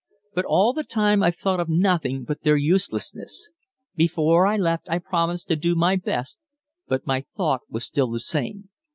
But all the time I thought of nothing but their uselessness. Before I left I promised to do my best but my thought was still the same.